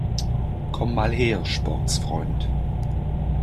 Komm mal her, Sportsfreund!